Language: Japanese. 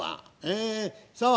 えそう。